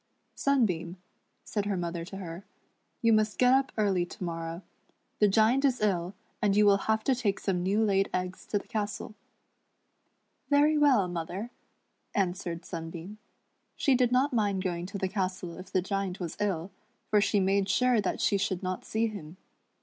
".Sunbeam," .said her mother to her, "you must get up early to morrow. The Giant is ill, and you will have to take some new laid eggs to the castle." SUXBEAM AXD HER WHITE RADDIT. 73 " Vcr\' well, mother," answered Sunbeam. She did not mind going to the castle if the Giant was ill, for she made sure that she should not see him.